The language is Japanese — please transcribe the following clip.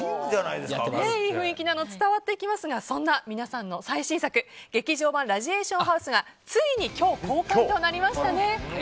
いい雰囲気なの伝わってきますがそんな皆さんの最新作「劇場版ラジエーションハウス」がついに今日、公開となりましたね。